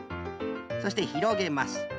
そしてひろげます。